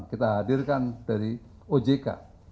kita hadirkan dari ojk